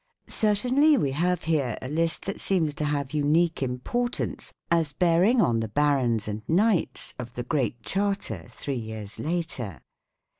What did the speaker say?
1 Certainly we have here a list that seems to have unique importance as bearing on the " barons " and " knights " of the Great Charter, three years later.